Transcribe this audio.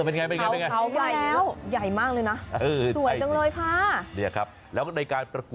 นี่แหละครับ